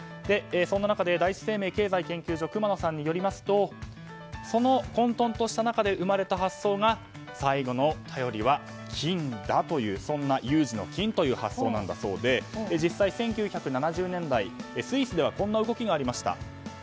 そんな中、第一生命経済研究所の熊野さんによりますとその混沌とした中で生まれた発想が最後の頼りは金というそんな有事の金という発想なんだそうで実際に１９７０年代スイスではこんな動きがありました。